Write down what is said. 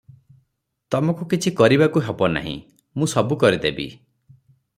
ତମକୁ କିଛି କରିବାକୁ ହବ ନାହିଁ, ମୁଁ ସବୁ କରିଦେବି ।"